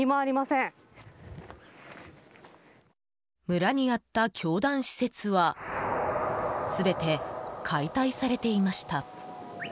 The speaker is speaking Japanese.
村にあった教団施設は全て解体されていました。